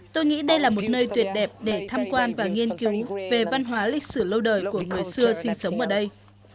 tôi nghĩ đây là một nơi tuyệt đẹp để tham quan và nghiên cứu về văn hóa lịch sử lâu đời của người xưa sinh sống ở đây